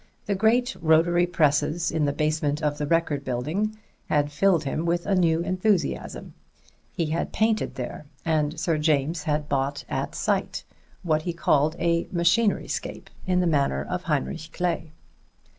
The great rotary presses in the basement of the Record building had filled him with a new enthusiasm: he had painted there, and Sir James had bought at sight, what he called a machinery scape in the manner of Heinrich Kley.